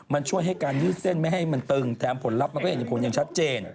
มันช่วยให้การยืดเส้นไม่ให้มันตึงแถมผลลัพธ์มันก็เห็นผลอย่างชัดเจน